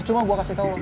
cuma gue kasih tau loh